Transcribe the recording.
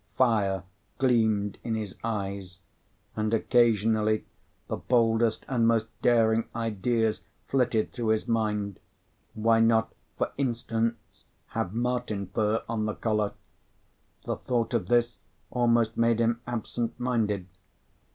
Fire gleamed in his eyes, and occasionally the boldest and most daring ideas flitted through his mind; why not, for instance, have marten fur on the collar? The thought of this almost made him absent minded.